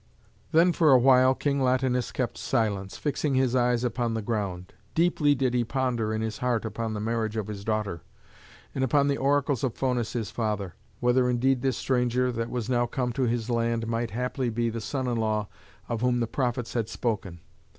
Then for awhile King Latinus kept silence, fixing his eyes upon the ground. Deeply did he ponder in his heart upon the marriage of his daughter, and upon the oracles of Faunus his father, whether indeed this stranger that was now come to his land might haply be the son in law of whom the prophets had spoken.